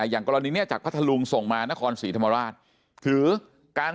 อย่างกรณีนี้จากพัทธลุงส่งมานครศรีธรรมราชถือการ